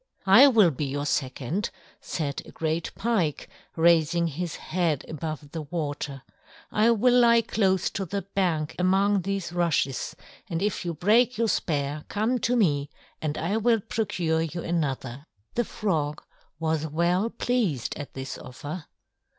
"I will be your second," said a great Pike, raising his head above the water; "I will lie close to the bank among these rushes, and if you break your spear come to me and I will procure you another." The Frog was well pleased at this offer.